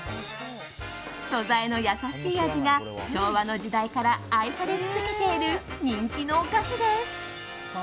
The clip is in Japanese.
素材の優しい味が昭和の時代から愛され続けている人気のお菓子です。